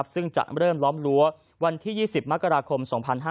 ซึ่งจะเริ่มล้อมรั้ววันที่๒๐มกราคม๒๕๕๙